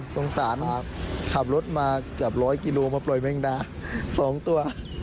สงสารครับขับรถมาเกือบร้อยกิโลมาปล่อยแมงดา๒ตัว